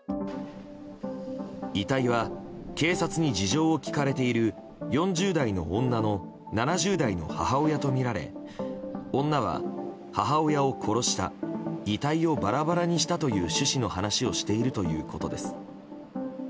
遺体は、警察に事情を聴かれている４０代の女の７０代の母親とみられ、女は母親を殺した遺体をバラバラにしたという趣旨の話をしているということです。